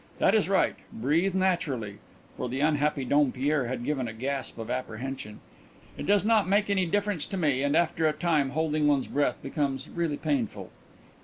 That is right; breathe naturally" for the unhappy Dompierre had given a gasp of apprehension. "It does not make any difference to me, and after a time holding one's breath becomes really painful."